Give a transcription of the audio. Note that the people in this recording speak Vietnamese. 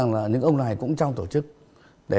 lúc là quân lúc là